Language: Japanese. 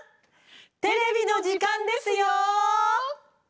テレビの時間ですよ！